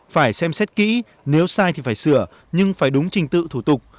phải xem xét kỹ nếu sai thì phải sửa nhưng phải đúng trình tự thủ tục